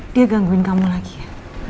dia gangguin kamu lagi ya